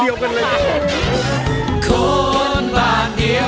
โอ้โฮนี่